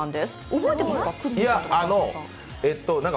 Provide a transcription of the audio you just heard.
覚えてますか？